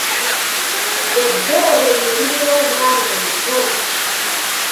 Ebbeere lye lirera omwana omuto.